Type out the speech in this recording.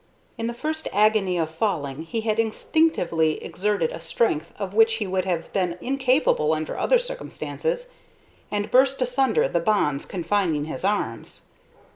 In the first agony of falling he had instinctively exerted a strength of which he would have been incapable under other circumstances, and burst asunder the bonds confining his arms.